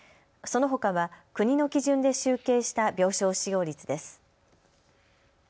そのほかは国の基準で集計した病床使用率です。